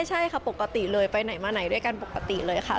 ใช่ค่ะปกติเลยไปไหนมาไหนด้วยกันปกติเลยค่ะ